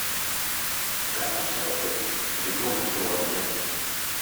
Ttduqquseɣ-d deg uɣeddur n yiḍes.